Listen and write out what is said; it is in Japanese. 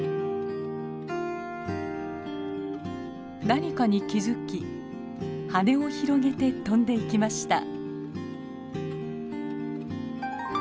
何かに気付き羽を広げて飛んでいきました。